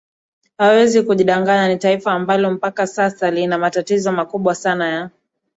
hawezi kujidanganya ni taifa ambalo mpaka sasa lina matatizo makubwa sana ya